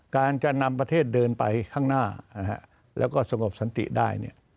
การจะนำประเทศเดินไปข้างหน้าแล้วก็สงบสันติได้